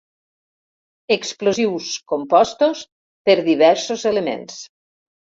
Explosius compostos per diversos elements.